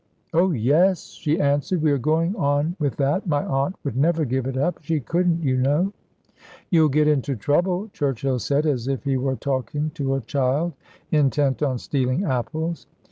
"Oh, yes," she answered, "we are going on with that, my aunt would never give it up. She couldn't, you know." "You'll get into trouble," Churchill said, as if he were talking to a child intent on stealing apples.